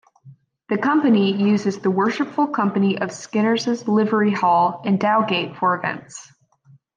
The Company uses the Worshipful Company of Skinners' livery hall in Dowgate for events.